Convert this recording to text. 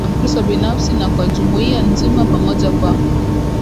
maisha ya Kiroho ya Mkristo binafsi na kwa jumuia nzima pamoja Kwa